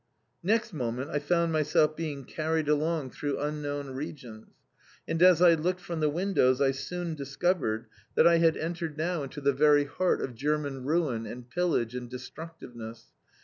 Next moment I found myself being carried along through unknown regions, and as I looked from the windows I soon discovered that I had entered now into the very heart of German ruin and pillage and destructiveness.